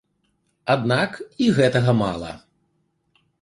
Аднак і гэтага мала.